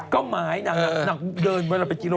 ก็หมายนะฮะหนักเดินเวลาเป็นกิโล